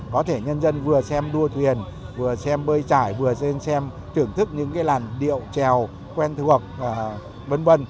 có thể nhân dân vừa xem đua thuyền vừa xem bơi trải vừa xem xem thưởng thức những cái làn điệu trèo quen thuộc v v